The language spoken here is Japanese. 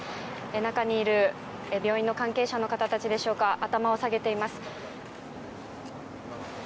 中にいる病院の関係者の方たちでしょうか頭を下げています。